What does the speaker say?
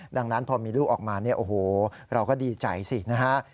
ดังนั้นพอมีลูกออกมาเนี่ยโอ้โหเราก็ดีใจสินะฮะ